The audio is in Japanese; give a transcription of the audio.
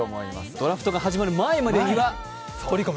ドラフトが始まる前には取り込む。